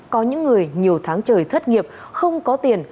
có những người nhiều tháng trời thất nghiệp không có tiền